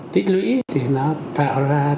tích lũy thì nó tạo ra